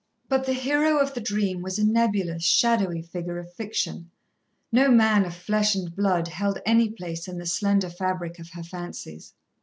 But the hero of the dream was a nebulous, shadowy figure of fiction. No man of flesh and blood held any place in the slender fabric of her fancies.